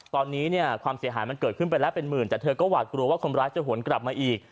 ตอนนี้เนี่ยความเสียหายมันเกิดขึ้นไปแล้วเป็นหมื่นแต่เธอก็หวาดกลัวว่าคนร้ายจะหวนกลับมาอีก